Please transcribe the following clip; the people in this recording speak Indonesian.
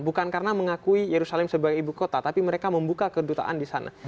bukan karena mengakui yerusalem sebagai ibu kota tapi mereka membuka kedutaan di sana